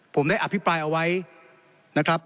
ผมได้อภิปรายเอาไว้นะครับ